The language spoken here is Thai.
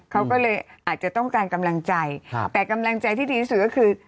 เขาก็เลยอาจจะต้องการกำลังใจแต่กำลังใจที่ดีที่สุดก็คือ